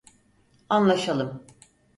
Anlaşalım.